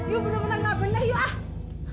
yuk bener bener nggak bener yuk ah